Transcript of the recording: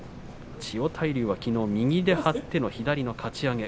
千代大龍はきのう右で張っての右のかち上げ。